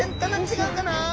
違うかな？